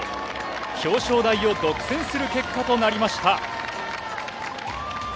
表彰台を独占する結果となりました。